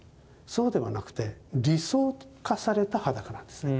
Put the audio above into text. そうではなくて理想化された裸なんですね。